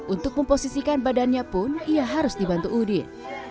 untuk memposisikan badannya pun ia harus dibantu udin